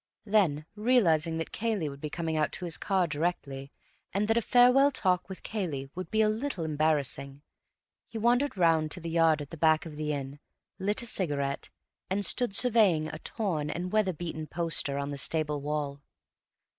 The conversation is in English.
Then, realizing that Cayley would be coming out to his car directly, and that a farewell talk with Cayley would be a little embarrassing, he wandered round to the yard at the back of the inn, lit a cigarette, and stood surveying a torn and weather beaten poster on the stable wall.